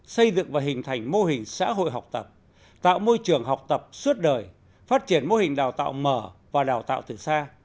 xây dựng và hình thành mô hình xã hội học tập tạo môi trường học tập suốt đời phát triển mô hình đào tạo mở và đào tạo từ xa